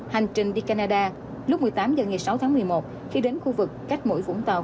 hành trình đi canada lúc một mươi tám h ngày sáu tháng một mươi một khi đến khu vực cách mũi vũng tàu